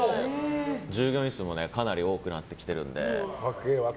従業員数もかなり多くなってきてるので。